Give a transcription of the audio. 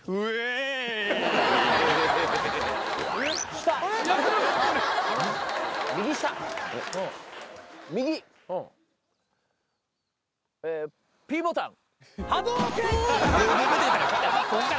下右下右ええＰボタン